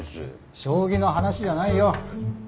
将棋の話じゃないよ。